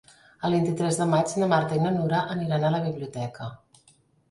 El vint-i-tres de maig na Marta i na Nura aniran a la biblioteca.